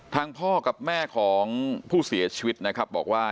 พ่อกับแม่ของผู้เสียชีวิตนะครับบอกว่า